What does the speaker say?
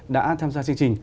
đã tham gia chương trình